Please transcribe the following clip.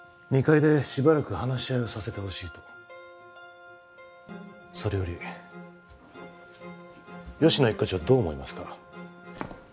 ２階でしばらく話し合いをさせてほしいとそれより吉乃一課長はどう思いますか？